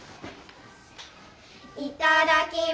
いただきます。